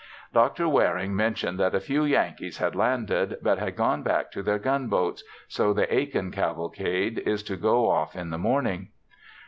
Dr. Waring mentioned that a few Yankees had landed, but had gone back to their gun boats, so the Aiken cavalcade is to go off in the morning.